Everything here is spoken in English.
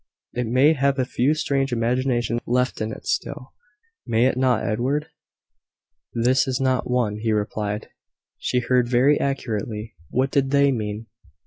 It may have a few strange imaginations left in it still. May it not, Edward?" "This is not one," he replied. "She heard very accurately." "What did they mean?"